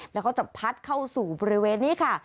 แล้วก็จะพัดเข้าสู่บริเวณนี้ค่ะ